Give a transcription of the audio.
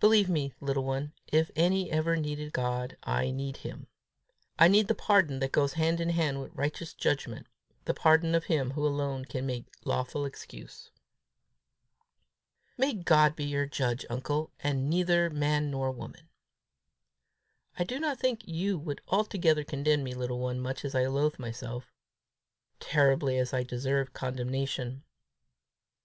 Believe me, little one, if any ever needed God, I need him. I need the pardon that goes hand in hand with righteous judgment, the pardon of him who alone can make lawful excuse." "May God be your judge, uncle, and neither man nor woman!" "I do not think you would altogether condemn me, little one, much as I loathe myself terribly as I deserve condemnation."